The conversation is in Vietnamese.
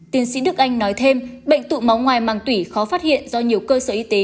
tiến sĩ đức anh nói thêm bệnh tụ máu ngoài màng tủy khó phát hiện do nhiều cơ sở y tế